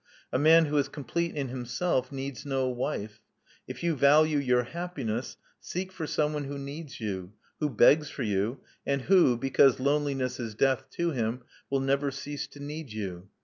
A man who is complete in himself needs no wife. If you value your happiness, seek for someone who needs you, who begs for you, and who, because loneliness is death to him, will never cease to need you.